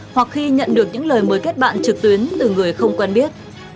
hoặc khi nhận được những lời mời kết bạn trực tuyến từ người không quen biết